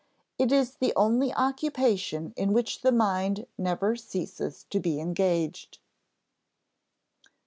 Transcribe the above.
_It is the only occupation in which the mind never ceases to be engaged.